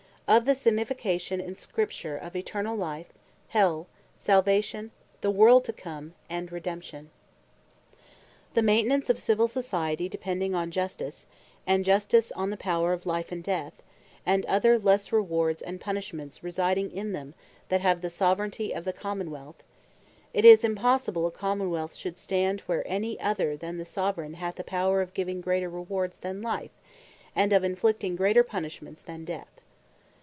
OF THE SIGNIFICATION IN SCRIPTURE OF ETERNALL LIFE, HELL, SALVATION, THE WORLD TO COME, AND REDEMPTION The maintenance of Civill Society, depending on Justice; and Justice on the power of Life and Death, and other lesse Rewards and Punishments, residing in them that have the Soveraignty of the Common wealth; It is impossible a Common wealth should stand, where any other than the Soveraign, hath a power of giving greater rewards than Life; and of inflicting greater punishments than Death.